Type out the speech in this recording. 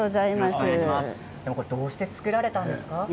どうして作られたんですか？